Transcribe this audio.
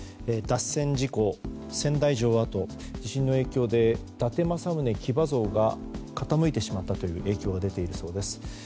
脱線事故、仙台城跡地震の影響で伊達政宗騎馬像が傾いてしまったという影響が出ているそうです。